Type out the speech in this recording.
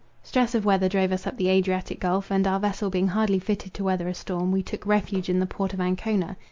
Stress of weather drove us up the Adriatic Gulph; and, our vessel being hardly fitted to weather a storm, we took refuge in the port of Ancona.